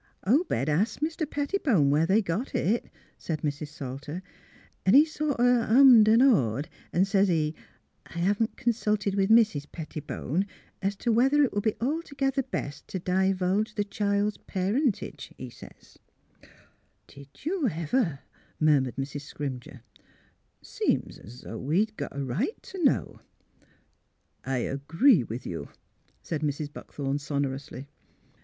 "'' Obed asked Mr. Pettibone where they got it," said Mrs. Salter, ''— an' he sort o' hummed an' hawed, an' sez he, ' I haven't consulted with Mrs. Pettibone, es t' whether it will be altogether best t' divulge the child's parentage,' he sez." " Did you ever! " murmured Mrs. Scrimger. *' Seem's 'o' we'd got a right t' know." '' I agree with you," said Mrs. Buckthorn, sonorously.